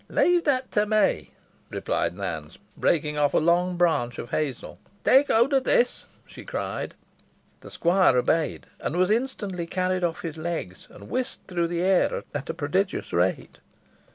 "Leave that to me," replied Nance, breaking off a long branch of hazel. "Tak howld o' this," she cried. The squire obeyed, and was instantly carried off his legs, and whisked through the air at a prodigious rate.